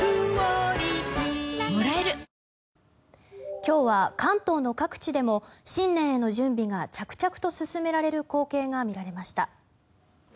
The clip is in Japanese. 今日は関東の各地でも新年への準備が着々と進められる光景が見られました。